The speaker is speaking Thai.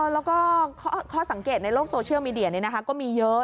แล้วก็ข้อสังเกตในโลกโซเชียลมีเดียก็มีเยอะ